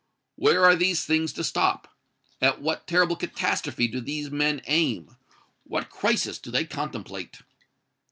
Where are these things to stop? At what terrible catastrophe do these men aim? What crisis do they contemplate?"